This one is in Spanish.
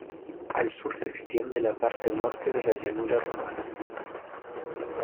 Al sur se extiende la parte norte de la Llanura Rumana.